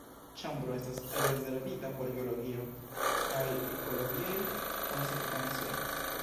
Ĉambro estas rezervita por geologio kaj ekologiaj konsekvencoj.